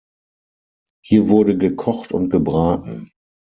Hier wurde gekocht und gebraten.